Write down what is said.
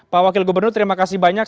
pak wakil gubernur terima kasih banyak